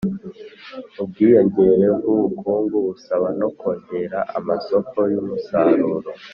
ubwiyongere bw'ubukungu busaba no kongera amasoko y'umusaruro.